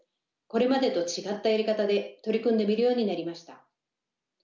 これまでと違ったやり方で取り組んでみるようになりました。